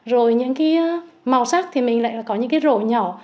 rồi những cái màu sắc thì mình lại là có những cái rổ nhỏ